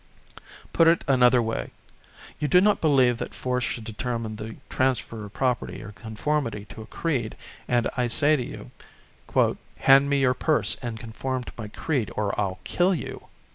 Put it another way. You do not believe that force should determine the transfer of property or conformity to a creed, and I say to you: "Hand me your purse and conform to my creed or I kill you."